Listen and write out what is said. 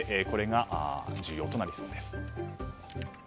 これが重要となりそうです。